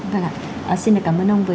vâng ạ xin cảm ơn ông